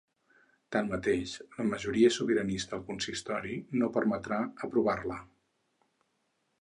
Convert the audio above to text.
Tanmateix, la majoria sobiranista al consistori no permetrà aprovar-la.